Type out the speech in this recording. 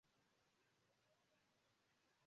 Hodiaŭ tiuj du estas modelaj herooj de prospero.